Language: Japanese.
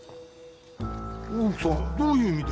大奥さんどういう意味で？